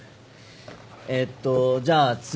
えっとじゃあ次は。